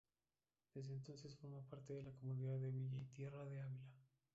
Desde entonces formó parte de la Comunidad de Villa y Tierra de Ávila.